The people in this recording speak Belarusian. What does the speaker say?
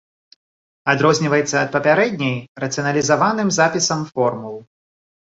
Адрозніваецца ад папярэдняй рацыяналізаваным запісам формул.